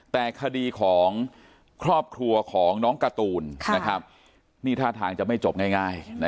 แต่คดีของครอบครัวของน้องการ์ตูนนี่ท่าทางจะไม่จบง่าย